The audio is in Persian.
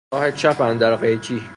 راه چپ اندر قیچی